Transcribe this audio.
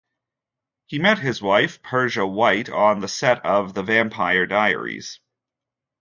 He met his wife Persia White on the set of The Vampire Diaries.